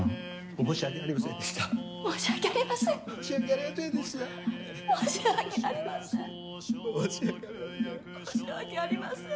・申し訳・申し訳ありません。